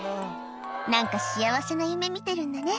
何か幸せな夢見てるんだね